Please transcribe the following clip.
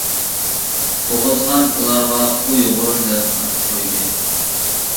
ئوغۇزخان ئۇلارغا ئۇيغۇر دەپ ئات قويدى.